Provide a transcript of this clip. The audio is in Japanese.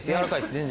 全然。